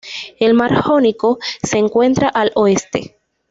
El mar Jónico se encuentra al oeste.